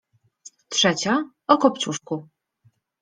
Trzecia — o „Kopciuszku”.